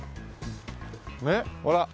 ねえほら！